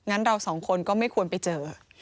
งั้นเราสองคนก็ไม่ควรไปเจอ